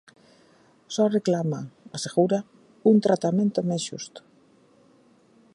Só reclama, asegura, un tratamento máis xusto.